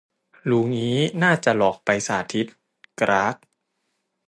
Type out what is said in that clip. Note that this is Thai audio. รู้งี้น่าจะหลอกไปสาธิต กร๊าก